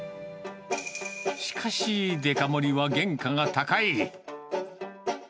しかし、デカ盛りは原価が高い。